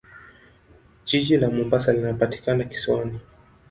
Jiji la Mombasa linapatikana kisiwani.